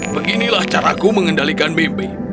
beginilah caraku mengendalikan mimpi